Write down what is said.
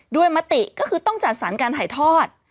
มติก็คือต้องจัดสรรการถ่ายทอด